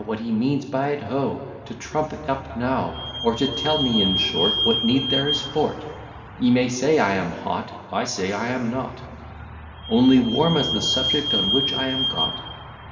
What he means by it, ho', To trump it up now? Or to tell me in short, What need there is for't? Ye may say, I am hot; I say I am not; Only warm, as the subject on which I am got.